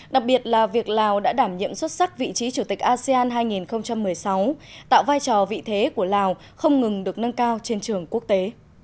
đặc biệt là việc lào đã đảm nhiệm xuất sắc vị trí chủ tịch asean hai nghìn một mươi sáu tạo vai trò vị thế của lào không ngừng được nâng cao trên trường quốc tế